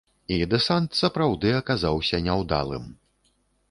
І дэсант сапраўды аказаўся няўдалым.